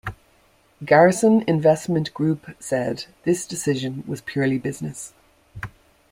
Garrison Investment Group said this decision was purely business.